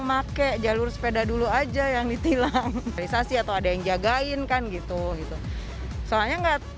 pakai jalur sepeda dulu aja yang ditilang realisasi atau ada yang jagain kan gitu gitu soalnya enggak